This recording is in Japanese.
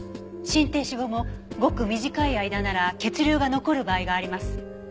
心停止後もごく短い間なら血流が残る場合があります。